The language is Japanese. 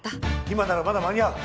今ならまだ間に合う！